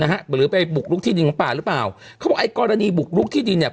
หรือไปบุกลุกที่ดินของป่าหรือเปล่าเขาบอกไอ้กรณีบุกลุกที่ดินเนี่ย